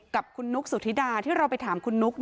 กับคุณนุ๊กสุธิดาที่เราไปถามคุณนุ๊ก